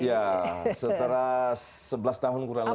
ya setelah sebelas tahun kurang lebih